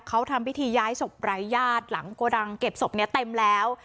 เขาทำพิธีย้ายศพรายญาติหลังโกดังเก็บศพนี้เต็มแล้ว